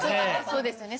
そうですね